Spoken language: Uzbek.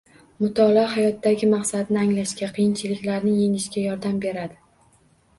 Mutolaa hayotdagi maqsadni anglashga, qiyinchiliklarni yengishga yordam beradi.